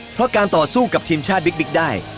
เพราะการต่อสู้กับทีมชาติบิ๊กได้